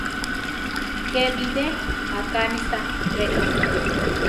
Ké bilé akánisa ré ko.